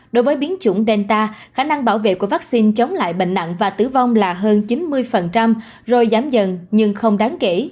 đối với biến chủng delta khả năng bảo vệ của vaccine chống lại bệnh nặng và tử vong là hơn chín mươi rồi giảm dần nhưng không đáng kể